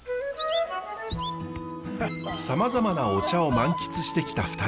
さまざまなお茶を満喫してきた２人。